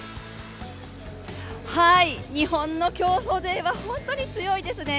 日本の競歩勢は本当に強いですね！